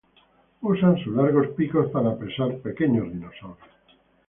Usan sus largos picos para apresar pequeños dinosaurios.